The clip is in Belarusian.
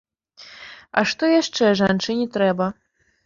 А што яшчэ жанчыне трэба?